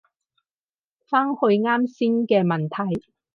返去啱先嘅問題